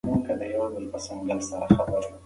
د پښتو خدمت زموږ د ټولو شریک او ملي مسولیت دی.